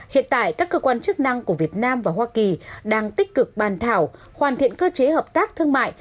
hiện tại các cơ quan chức năng của việt nam và hoa kỳ đang tích cực bàn thảo hoàn thiện cơ chế hợp tác thương mại